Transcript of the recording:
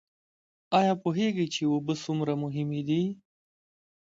ایا پوهیږئ چې اوبه څومره مهمې دي؟